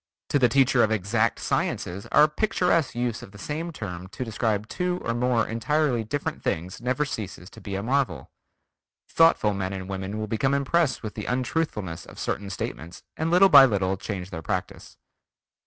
To the teacher of exact sciences our picturesque use of the same term to describe two or more entirely different things never ceases to be a marvel.... Thoughtful men and women will become impressed with the untruthfulness of certain statements and little by little change their practice.